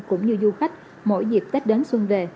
cũng như du khách mỗi dịp tết đến xuân về